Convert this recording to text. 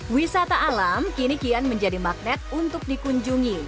wisata alam kini kian menjadi magnet untuk dikunjungi